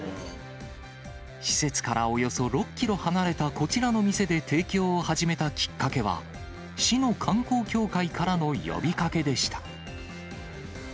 施設からおよそ６キロ離れたこちらの店で提供を始めたきっかけは、市の観光協会からの呼びかけでした。